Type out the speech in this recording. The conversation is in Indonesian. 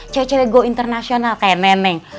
cewek cewek gue internasional kayak neneng